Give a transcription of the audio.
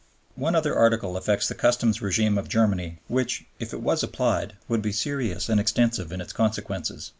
One other Article affects the Customs RÈgime of Germany which, if it was applied, would be serious and extensive in its consequences.